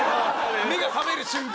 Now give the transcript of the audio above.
目が覚める瞬間。